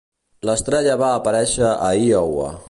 L'estrella va aparèixer a Iowa.